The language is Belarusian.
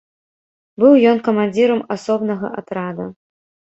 Быў ён камандзірам асобнага атрада.